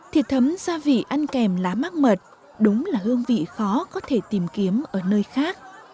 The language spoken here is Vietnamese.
thịt thấm gia vị ăn kèm lá mắc mật đúng là hương vị khó có thể tìm kiếm ở nơi khác